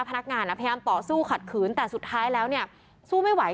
พนักงานพยายามต่อสู้ขัดขืนแต่สุดท้ายแล้วเนี่ยสู้ไม่ไหว